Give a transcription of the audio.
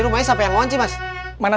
mas pindahan jadi gak